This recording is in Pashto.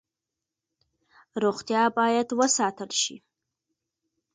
روغتیا باید وساتل شي